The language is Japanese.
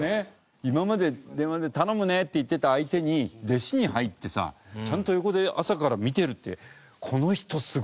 今まで電話で「頼むね」って言ってた相手に弟子に入ってさちゃんと横で朝から見てるってこの人すごいと思うよ。